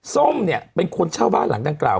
ส้มเนี่ยเป็นคนเช่าบ้านหลังดังกล่าว